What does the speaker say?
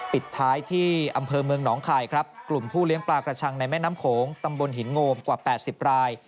ปิดท้ายที่อำเภอเมืองหนองคายครับกลุ่มผู้เลี้ยงปลากระชังในแม่น้ำโขงตำบลหินโงมกว่า๘๐ราย